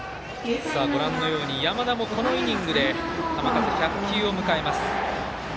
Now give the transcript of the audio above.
山田も、このイニングで球数１００球を迎えます。